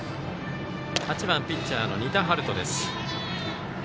８番ピッチャーの仁田陽翔です。